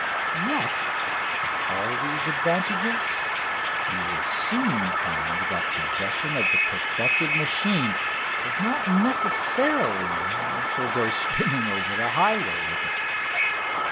Yet with all these advantages you will soon find that possession of the perfected machine does not necessarily mean that you shall go spinning over the highways with it.